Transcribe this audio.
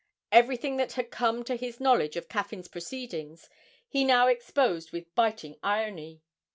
Everything that had come to his knowledge of Caffyn's proceedings he now exposed with biting irony.